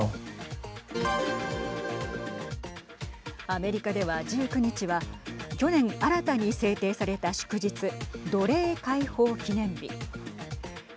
アメリカでは、１９日は去年、新たに制定された祝日奴隷解放記念日。